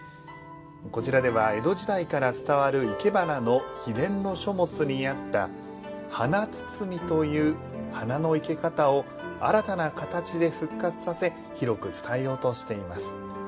こちらでは、江戸時代から伝わるいけばなの秘伝の書物にあった華包という花の生け方を新たな形で復活させ広く伝えようとしています。